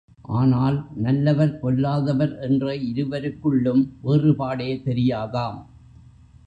ஆனால் நல்லவர், பொல்லாதவர் என்ற இருவருக்குள்ளும் வேறுபாடே தெரியாதாம்.